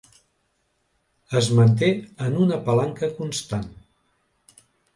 Em manté en una palanca constant.